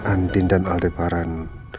andin dan aldebaran